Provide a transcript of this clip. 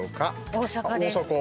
大阪です。